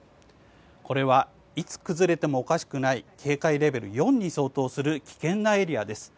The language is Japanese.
これはいつ崩れてもおかしくない警戒レベル４に相当する危険なエリアです。